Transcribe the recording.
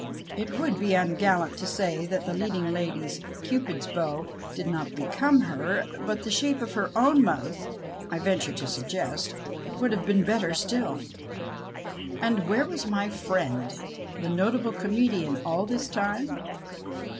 It would be ungallant to say that the leading lady's " Cupid's bow " did not become her, but the shape of her own mouth, I venture to suggest, would have been better still. And where was my friend the notable comedian all this time